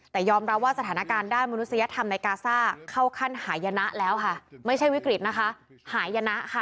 แต่ยอมรับว่าสถานการณ์ด้านมนุษยธรรมในกาซ่าเข้าขั้นหายนะแล้วค่ะไม่ใช่วิกฤตนะคะหายนะค่ะ